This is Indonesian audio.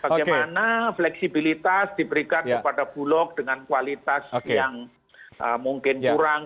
bagaimana fleksibilitas diberikan kepada bulog dengan kualitas yang mungkin kurang